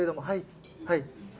はいはい。